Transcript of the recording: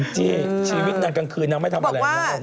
ใช่ชีวิตนั้นกลางคืนทำไม่ทำอะไร